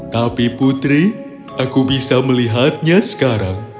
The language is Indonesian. tapi putri aku bisa melihatnya sekarang